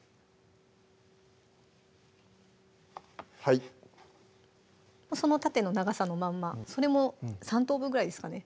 はいその縦の長さのまんまそれも３等分ぐらいですかね